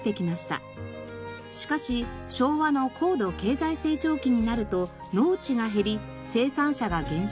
しかし昭和の高度経済成長期になると農地が減り生産者が減少。